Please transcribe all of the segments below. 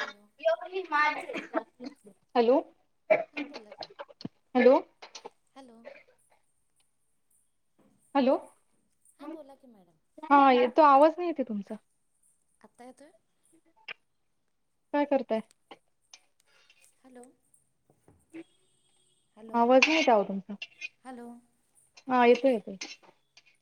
Hello, hello, हां बोला की हॅलो, हॅलो, हॅलो, हां बोला की मॅडम हां येतोय, आवाज नाही येतय तुमचा. आत्ता येतोय? काय करताय? हॅलो! [inaudible] आवाज नाही का ओ तुमचा हॅलो [inaudible] हां येतोय.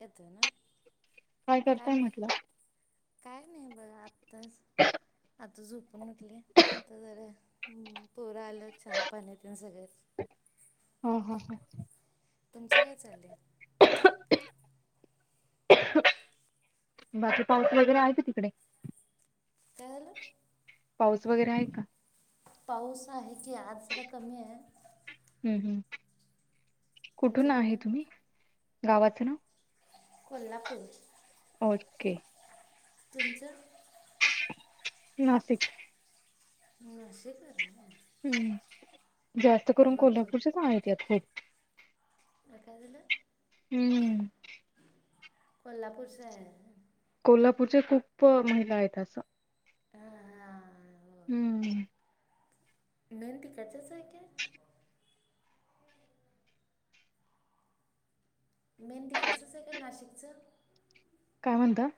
येतोय ना, काय करताय म्हण? म्हटलं काय नाही बघा आ [inaudible] आता झो पून उटले आता जरा पोरं आलं चहा-पाणी तेन सगळच. हा हा. तुमचं काय चाललंय? [inaudible] बाकी पाऊस वगैरे हाय काय तिकडे? काय झालं? पाऊस वगैरे आहे का? पाऊस आहे की आज जरा कमी हाय. हम्म हम्, कुठून तुमच्या आहे इकडं तुम्ही? गावाचं नाव? कोल्हापूर. ओके. तुमचं? नाशिक. नाशिक. हम्म जास्त करून भरपूर कोल्हापूरचेच आहेत ह्यात खुप. हां काय झालं? [unintelligible] कोल्हापूर शे आहे. कोल्हापूरच्या खूपं महिला आहेत असं. हा [unintelligible] हम्म. मेनं तिकडचंच आहे काय? मेन तिकडचंच हाय काय नाशिकचं? काय म्हणता?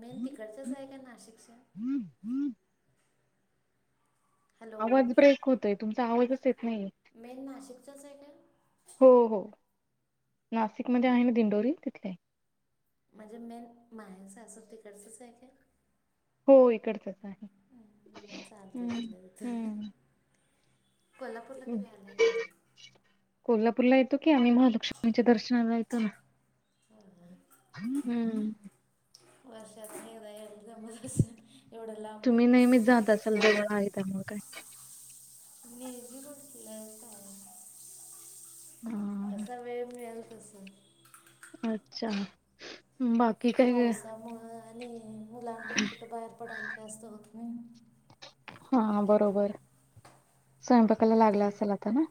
मेन तिकडचंच हाय काय नाशिकचं? हम्म‌. हॅलो आवाज ब्रेक होतयं तुमचा, आवाजचं येत नाही. मेन नाशिकचचं हाय काय? हो हो, नाशिकमध्ये होय आहे ना दिंडोरी तिथले. म्हणजे मेन माहेर-सासर तिकडचंच हाय काय? हो इकडचंच. हम्म, मग चालतं हम् इथलं तिथं हम्. कोल्हापूरला कधी आलं काय नाही कोल्हापूरला येतो की आम्ही म लक्ष्मीच्या दर्शनाला येतो ना. [unintelligible] वर्षातंन एकदा याय जमतंच नाही एवढं लामन. चाल [unintelligible] मग काय? निवांत बसलाय काय [unintelligible] हा असा वेळ मिळेल तस. आच्छा. बाकी काय? पावसामुळ आणि मुलांना कुठं बाहेर पडायचं जास्त होत नाही. हा बरोबर. स्वयंपाकाला लागला तर असेल आता ना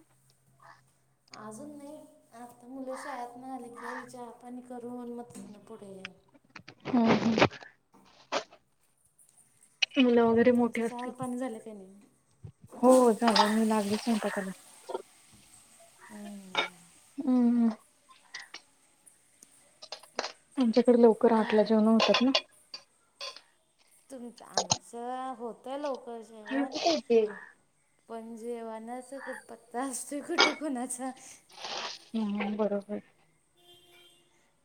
अजून नाही. आता मुल शाळेतन आले की चहा पाणी करून मग तितन पुढ हे हम् हम् मुल वगैरे मोठे तुमचं असतील. चहा पाणी झालं का नाही हो झाला मी लागलीच नंतर कऱणार. हम्म. हम्म् आमच्याकड लवकर आणि आठला काय जेवण होतात ना तुमच आमच होतय लवकर. जेवण ह [unintelligible] पण जेवनाचा पत्ता असतोय कुठे कोणाचा हम् बरोबर.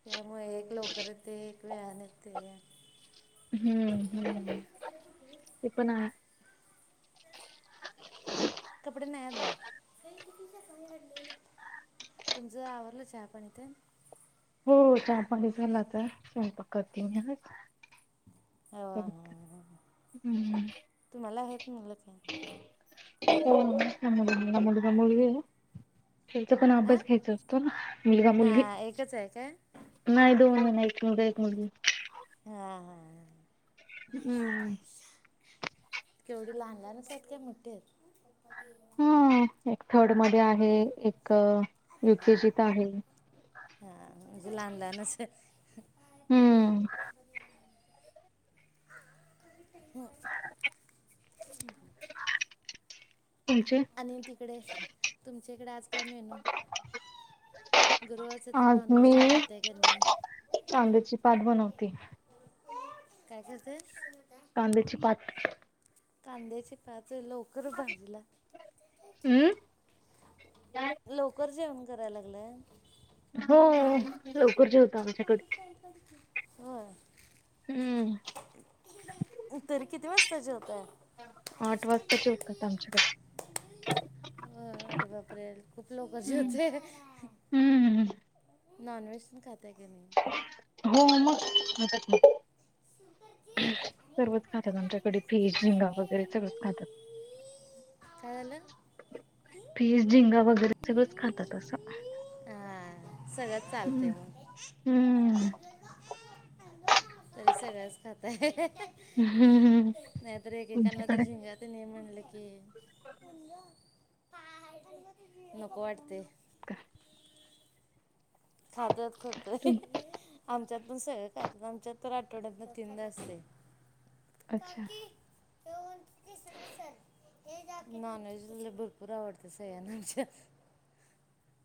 त्यामुळे एक लवकर येते एक वेळान येतय हम्म हम् ते पण आहे. कपडे नाही आहेत बाळा तुमच आवरल चहा पाणी तेन हो चहा पाणी झाल आता स्वयंपाक करते मी आज हा हम्म तुम्हाला आहेत मुल तीन. हो मुलगा, मुलगी आहे. तेचा पण हां अभ्यास घ्यायचा असतो ना मुलगा मुलगी इथेच आहे काय? नाही दोन मला. एक मुलगा मुलगी एक हा हा हा हम् केवढी लहान लहानच आहेत. काय मोठी आहेत हा एक थर्ड मध्ये आहे एक युकेजीत आहे. हा म्हणजे लहान लहानच आहेत. हम्म. हो [unintelligible] तुमचे आणि तिकडे तुमच्या इकडे आज काय मेनू गुरुवारच तेन नॉनवेज तेन खाताय का नाही कांद्याचीपाथ बनवत. काय करताय? कांद्याचीपात. कांद्याचीपाथ लवकर भाजीला हम्म लवकर जेवण कराय लागलाय. हो लवकर जेवतो आमच्याकडे होय हम्म तरी किती वाजता जेवताय? आठ वाजता जेवतात आमच्याकडे. अरे बापरे खूप लवकर हम्म जेवताय. हम्म नॉनव्हेज तेन खाताय की नाही? हो मग, [inaudible] सर्वच खात्यात आमच्यात फिश, झिंगा वगैरे सगळंच खातात. [inaudible] कायं झालं? फिश, झिंगा वगैरे सगळंच खातात असं. हा सगळ्याच चालते हम्म. मग. हम्म. [inaudible] तरी सगळच खाताय. हम्म हम्म नाही तर एकेकाना ते तुमच्याकडे झिंगा तेन हे म्हणलं की [inaudible] नको वाटते. [unintelligible] खातात करतोय. तुम आमच्यात पण सगळें खातात आमच्यात. तर आठवड्यातन तीनदा असतयं. अच्छा काकी. [inaudible] नॉनव्हेज भरपूर आवडते सगळ्यांना आमच्यात.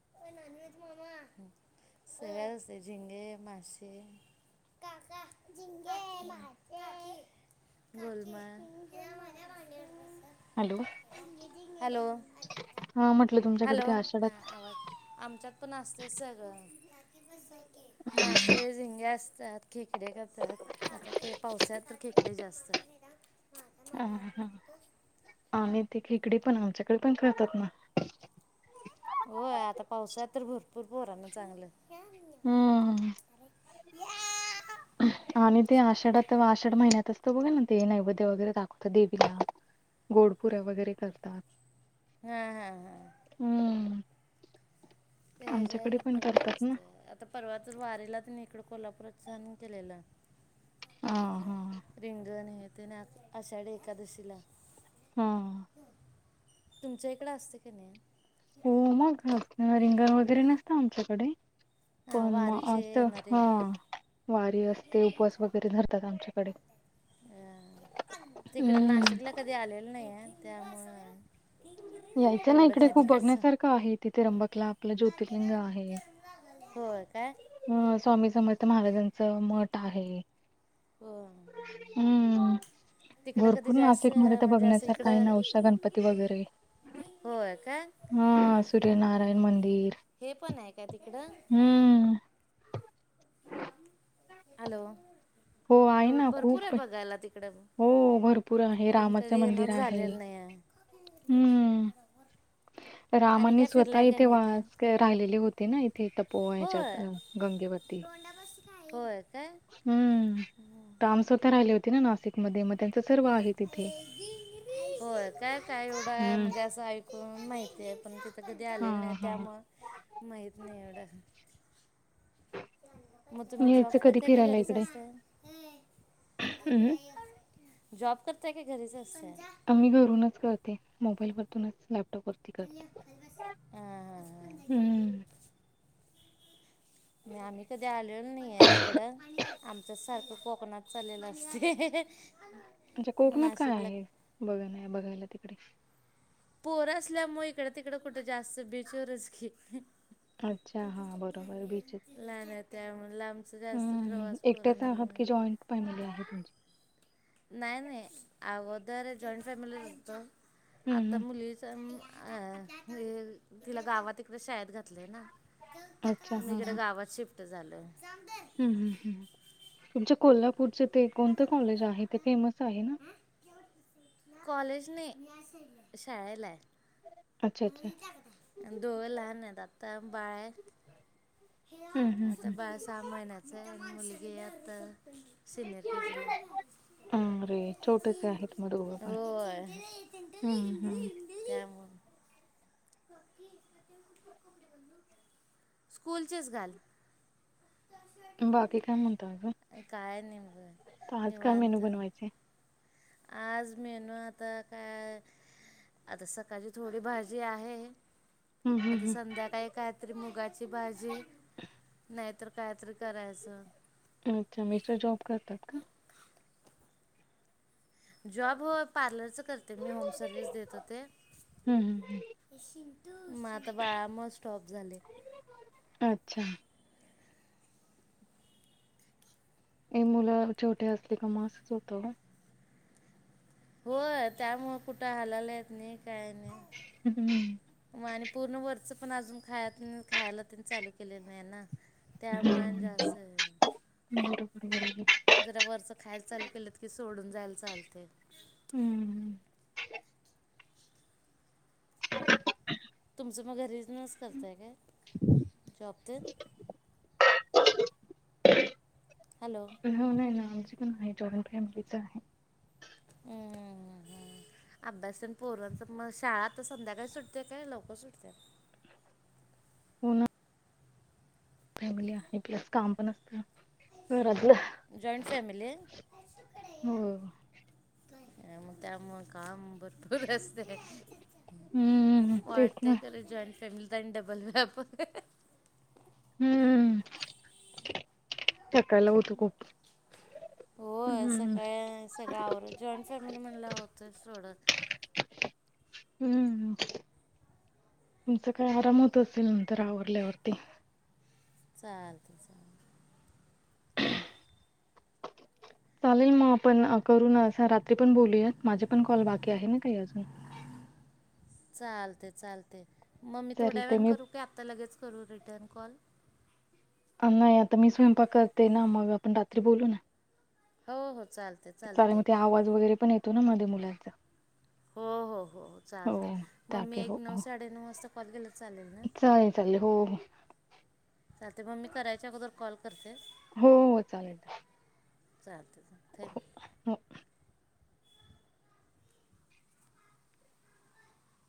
[unintelligible] सगळे असते झिंगे, मासे. [unintelligible] बोल मग. Hello [inaudible] hello! हा म्हटलं तु हॅलो! हा आवज, आमच्यात पण असते सगळं. मासे, झिंगे असतात. खेकडे करतात आता के पावसात तर खेकडे जास्त. अ मांडीवर हा, बसून तो आणि ते खेकडी पण आमच्याकडे पण करतात ना. होय आता पावसाळ्यात तर भरपूर पोराना चांगलं. [inaudible] [inaudible] आम्ही ते आषाढात आषाढ महिन्यात असतो बघा ना ते नैवेद्य वगैरे दाखवतो देवीला गोडपुऱ्या वगैरे करतात. हा हा हा. हम्म. ते हेजा आमच्याकडे वेळी पण भरपूर करतात ना असते आता परवा तर वारीला तेन इकडं कोल्हापूरात छान केलेलं. हा हा [inaudible] रिंगण हे ते ना आषाढी, एकादशीला. हा. [inaudible] तुमच्या इकडं असतयं क नी? हो मग रिंगण वगैरे नसत आमच्याकडे. हां पण मग वारीचे असत. येणारे हा. वारी असते उपवास वगैरे धरतात आमच्याकडे. तिकड हम्म नाशिकला कधी आलेल नाहीय त्यामुळ. यायचं ना इकडे खूप बघण्यासारखं आहे त्रंबकला, आपलं ज्योतिर्लिंग आहे. व्हयं काय? अ स्वामी समर्थ महाराजांच मठ आहे. हो. हम्म. तिकडं कधी भरपूर जास्त नाशिक मध्ये तर म्हणजे असं बघण्यासारखा आहे इकडं नवशा गणपती वगैरे. होय कायं? हा सूर्यनारायण मंदिर हे पण आहे का तिकडं? हम्म. हॅलो! हो आहे एवढ ना भरपूर आहे खूप बघायला तिकड हो भरपूर आहे पण रामाचं कधी मंदिर येनच आहे झालेलं नाहीय. हम्म. आणि रामानी काय स्वतः फिरलाय का इथे नाही ते वास राहिलेली होती ना इथे तपोव ह्याच्यात होय गंगेवर ती तोंडापाशी काय होय काय हम्म काम स्वतः राहिले होती ना नाशिक मध्ये म त्यांच सर्व आ होय काय काय एवढं हम्म. म्हणजे असं ऐ कुन माहितीय पण तिथं कधी हा आलेलं नाही हा त्यामुळ माहीत नाही एवढं. मग तुम्ही जॉब यायचं कधी करताय की फिरायला घरीच इकडे असताय? हम्म जॉब करताय का घरीच असताय? आम्ही घरूनच करते मोबाईल मधुनच लॅप टॉप वरती करते हां हम्म. नाही आम्ही कधी आलेलो नाहीये तिकडं आमच्या सारखं कोकणात चालेल असतय. म्हणजे कोकणात काय आहे बघाय बघायला तिकडे? पोर असल्यामुळे इकड तिकड कुठं जास्त बीचवरच की. अच्छा हा बरोबर बीचेस लहान आहेत त्यामुळ लांबचा जास्त प्रवास पोरांना घेऊन नाही. पणली आहेत म्हणजे. नाही नाही अगोदर जॉईंट फॅमिलीच होतो हम्म आता हम्म मुलीच तर अ तिला गावात इकड शाळेत घातलंय ना अच्छा मग हा हा इकडं गावात शिफ्ट झालोय. हम्म हम्म हम्म तुमच्या कोल्हापूरचे ते कोणतं कॉलेज आहे ते फेमस आहे ना? कॉलेज नाय शाळेलाय. अच्छा अच्छा आन दोघ लहान आहेत आता बाळय. हम्म आता हम्म बाळ सहा महिन्याचय, अन मुलगी आता सिनियर के जी ला. हम्म अरे छोटेसे आहेत मग दोघं पण होय. हम्म हम्म त्यामुळ [inaudible] स्कूलचेच घाल. बाकी काय म्हणता अजून? काय नाही मग तर आज काय मेनू निवांत. बनवायचे? आज मेनू आता काय आता सकाळची थोडी भाजी आहे हम्म आता हम्म संध्याकाळी कायतरी मुगाची भाजी नाहीतर कायतरी करायचं. तुमचे मिस्टर जॉब करतात का? जॉब हो पार्लरच करते मी होम सर्व्हिस देत होते. हम्म हम्म मग आता बाळा मुळे स्टॉप झाले. अच्छा. हे मुलं छोटे असले का मग असच होत ना. होय त्यामुळ कुठ हालायला येत नाही काय नाही. हम्म मग आणि पूर्ण वरच पण अजून खाय न खायला ते न चालू केलेलं नाही ना. त्यामुळे आन हम्म. जास. बरोबर बरोबर. जरा वरचं खायला चालू केलंत की सोडून जायला चालतय. हम्म. तुमच मग बुसिनेस करत आहे काय जॉबत, हॅलो ना नामचे पण आहे जॉइंट फॅमिलीच आहे. हा हां. अभ्यास तण पोरांच मग, शाळा तर संध्याकाळी सुटते काय लवकर सुटत्या. [unintelligible] फॅमिली आहे, प्लस काम पण असतं घरातलं जॉईंट फॅमिली हे.. हो. म तेमुळ काम भरपूर ऽ असतय, हम्म तेच ना वाटतय खर जॉईनट फॅमिलीऽ ता डबल वॅप होतय. हम्म्म. थकायला होतऽ होय हम्म सकाळ सगळ आवर. जॉईनऽ फॅमिली म्हणलावर होतयच थोड. हम्म, तुमच काय आराम होत असेल, नंतर आवरल्यावरती. चालतय चालतय. चालेल मग आपण करून अस रात्री पण बोलूयात, माझे पण कॉल बाकी आहे ना काही अजून. चालतय चालतय मग मी चालेल थोड्या ते वेळाण मी करू का आत्ता लगेच करू रिटर्न कॉल.? नाही आता मी स्वयंपाक करते ना, मग आपण रात्री बोलू ना. हो हो, चालेल. चालेल मग ते आवाज वगैरे पण येतो ना मध्ये मुलांचा. हो हो हो चालतय, मग मी टाके एक हो नऊ हो साडेनऊ वाजता कॉल केलातर चालेल ना. चालेल चालेल, हो हो. चालतय मग मी करायच्या अगोदर कॉल करते. हो हो चालेल. चालतेय चालतय थँक्यू. हो